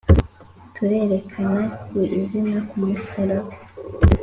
turerekana. .. ku izina ku musaraba.